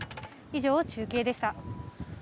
以上、中継でした。